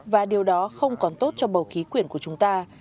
và điều đó không còn tốt cho bầu khí quyển của chúng ta